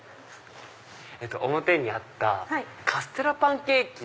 表にあったカステラパンケーキ。